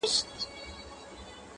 بېشکه مرګه چي زورور یې!.